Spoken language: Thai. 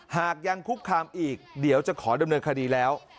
หากยังคุกคามอีกเดี๋ยวจะขอดำเนินคดีแล้ว